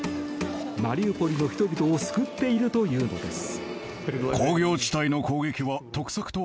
マリウポリの人々を救っているというのです。